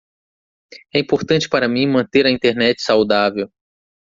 É importante para mim manter a Internet saudável.